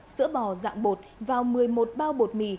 sữa bò dạng bột và một mươi một bao bột mì